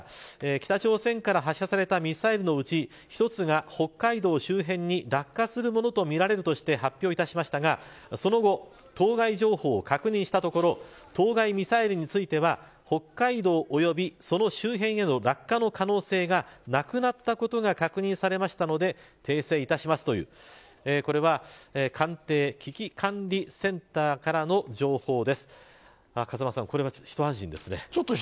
北朝鮮から発射されたミサイルのうち、一つが北海道周辺に落下するものとみられると発表しましたがその後当該情報を確認したところ当該ミサイルについては北海道および、その周辺への落下の可能性がなくなったことが確認されましたので訂正いたします、というこれは官邸危機管理センターからの情報です。